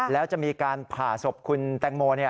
แล้วจะมีการผ่าศพคุณแตงโม